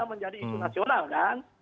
karena sudah menjadi insu nasional kan